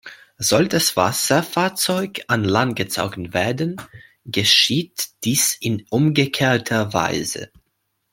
Soll das Wasserfahrzeug an Land gezogen werden, geschieht dies in umgekehrter Weise.